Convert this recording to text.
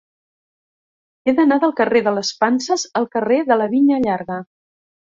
He d'anar del carrer de les Panses al carrer de la Vinya Llarga.